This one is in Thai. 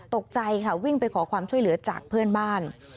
ตกใจค่ะวิ่งไปขอความช่วยเหลือจากเพื่อนบ้าน